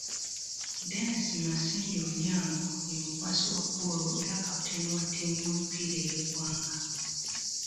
Dennis Masindi Onyango ye mukwasi wa ggoolo era kaputeni wa ttiimu y'omupiira ey'eggwanga.